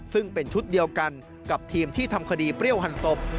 ซึ่งเป็นชุดเดียวกันกับทีมที่ทำคดีเปรี้ยวหันศพ